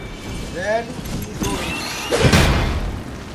Velho e doente